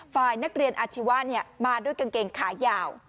ฝ่ายนักเรียนอาชีวะมาด้วยกางเกงขายาว